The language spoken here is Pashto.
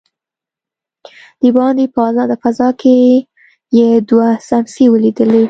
دباندې په آزاده فضا کې يې دوه سمڅې وليدلې.